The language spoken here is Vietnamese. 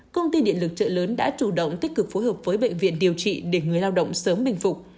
công ty điện lực trợ lớn đã chủ động tích cực phối hợp với bệnh viện điều trị để người lao động sớm bình phục